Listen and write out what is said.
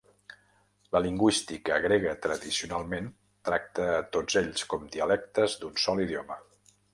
La lingüística grega tradicionalment tracta a tots ells com dialectes d'un sol idioma.